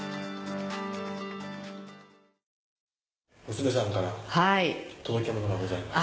娘さんから届けものがございます。